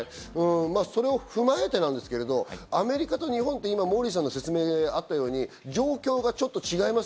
それを踏まえてですが、アメリカと日本、今、モーリーさんの説明があったように状況がちょっと違います。